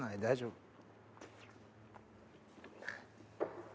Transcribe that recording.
大丈夫？